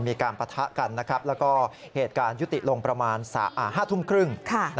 ปะทะกันแล้วก็เหตุการณ์ยุติลงประมาณ๕ทุ่มครึ่ง